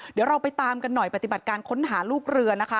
เดี๋ยวเราไปตามกันหน่อยปฏิบัติการค้นหาลูกเรือนะคะ